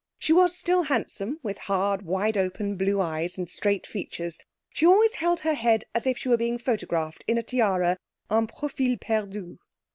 She was still handsome, with hard, wide open blue eyes, and straight features. She always held her head as if she were being photographed in a tiara en profil perdu.